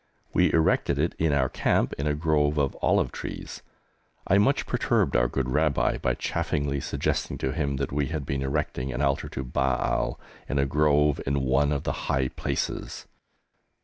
We erected it in our camp in a grove of olive trees. I much perturbed our good Rabbi by chaffingly suggesting to him that we had been erecting an altar to Baal, in a grove, in one of the high places!